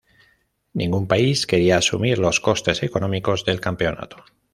Ningún país quería asumir los costes económicos del campeonato.